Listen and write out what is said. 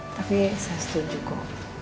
tapi saya setuju kok